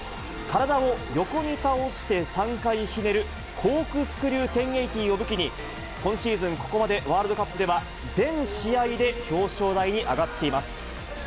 体を横に倒して３回ひねる、コークスクリュー１０８０を武器に、今シーズン、ここまでワールドカップでは、全試合で表彰台に上がっています。